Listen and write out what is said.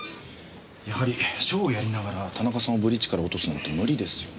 やはりショーをやりながら田中さんをブリッジから落とすなんて無理ですよね。